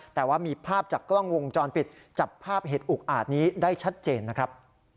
แต่ว่ามีภาพจากกล้องวงจรปิดจับภาพเหตุอุกอาจนี้ได้ชัดเจนนะครับ